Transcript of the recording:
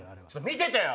見ててよ！